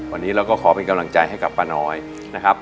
วันนี้เราก็ขอเป็นกำลังใจให้กับป้าน้อยนะครับ